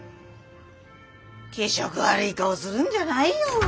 気色悪い顔するんじゃないよ！